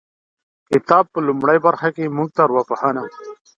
کتاب په لومړۍ برخه کې موږ ته ارواپوهنه